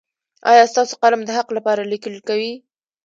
ایا ستاسو قلم د حق لپاره لیکل کوي؟